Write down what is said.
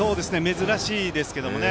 珍しいですけどね。